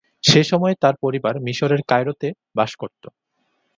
সে সময়ে তার পরিবার মিশরের কায়রোতে বাস করতো।